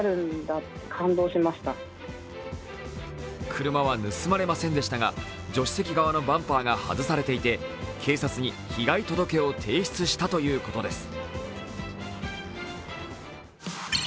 車は盗まれませんでしたが助手席側のバンパーが外されていて警察に被害届を提出したということです。